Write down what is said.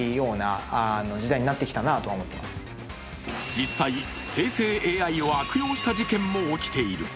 実際、生成ＡＩを悪用した事件も起きている。